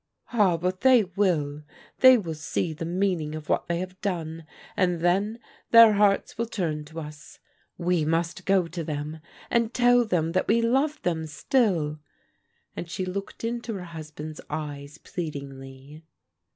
"Ah, but they will. They will see the meaning of what they have done, and then their hearts will turn to us. We must go to them, and tell them that we love them still," and she looked into her husband's eyes plead ingly.